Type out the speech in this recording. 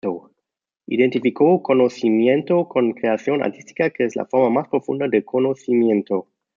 Identificó conocimiento con creación artística, que es la forma más profunda de conocimiento.